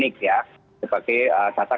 nik sebagai data